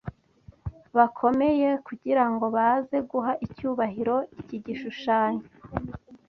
bakomeye kugira ngo baze guha icyubahiro iki gishushanyo